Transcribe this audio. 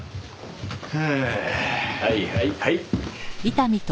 はあはいはいはい。